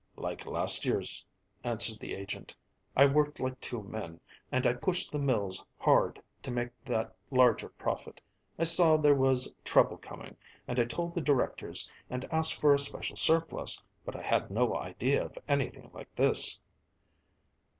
"Like last year's," answered the agent. "I worked like two men, and I pushed the mills hard to make that large profit. I saw there was trouble coming, and I told the directors and asked for a special surplus, but I had no idea of anything like this."